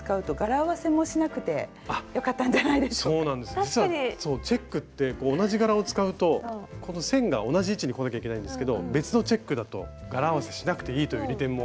実はチェックって同じ柄を使うとこの線が同じ位置にこなきゃいけないんですけど別のチェックだと柄合わせしなくていいという利点も。